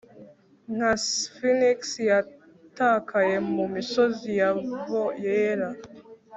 Nka sphinx yatakaye mumisozi yabo yera